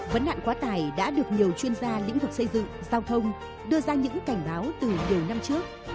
vấn nạn quá tài đã được nhiều chuyên gia lĩnh vực xây dựng giao thông đưa ra những cảnh báo từ nhiều năm trước